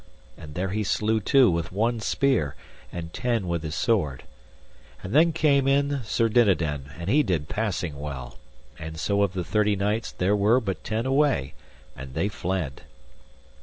And there he slew two with one spear and ten with his sword. And then came in Sir Dinadan and he did passing well, and so of the thirty knights there went but ten away, and they fled.